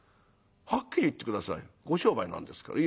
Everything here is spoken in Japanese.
「はっきり言って下さいご商売なんですから」。